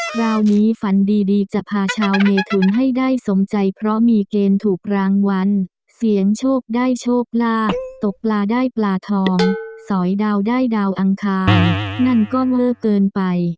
คราวนี้ฝันดีจะพาชาวเมทุนให้ได้สมใจเพราะมีเกณฑ์ถูกรางวัลเสียงโชคได้โชคลาภตกปลาได้ปลาทองสอยดาวได้ดาวอังคารนั่นก็เลิกเกินไป